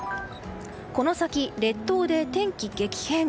この先、列島で天気激変。